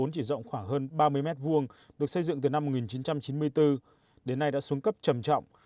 chỉ rộng khoảng hơn ba mươi m hai được xây dựng từ năm một nghìn chín trăm chín mươi bốn đến nay đã xuống cấp trầm trọng